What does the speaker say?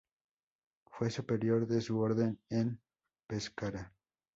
Fue superior de su Orden en Pescara.